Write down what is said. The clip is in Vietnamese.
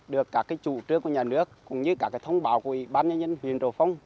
được cả cái chủ trương của nhà nước cũng như cả cái thông báo của bán nhân nhân huyền rồ phong